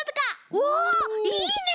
おおいいね！